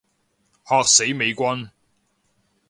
嚇死美軍